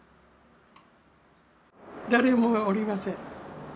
誰もおりません。